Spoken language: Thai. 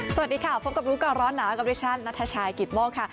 สวัสดีค่ะพบกับรู้ก่อนร้อนหนาวกับดิฉันนัทชายกิตโมกค่ะ